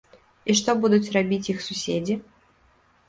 І што будуць рабіць іх суседзі?